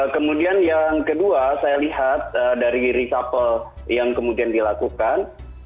kemudian yang kedua saya lihat dari reshuffle yang kemudian dilakukan